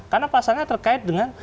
karena pasalnya terkait dengan